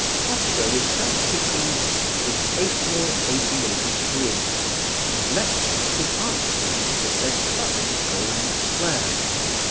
Oscar returned to England in April, 1883, and lectured to the Art Students at their club in Golden Square.